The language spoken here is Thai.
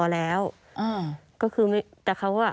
แกวิ่งช้าครับ